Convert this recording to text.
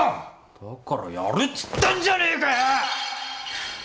だからやるっつってんじゃねえかよっ！